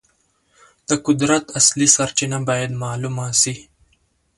د قدرت اصلي سرچینه باید معلومه سي.